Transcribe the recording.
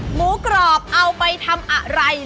หมูกรอบเอาไปทำอะไร